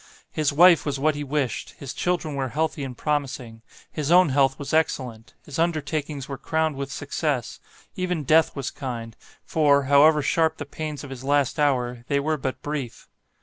His wife was what he wished; his children were healthy and promising; his own health was excellent; his undertakings were crowned with success; even death was kind, for, however sharp the pains of his last hour, they were but brief.